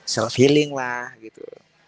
self healing lah gitu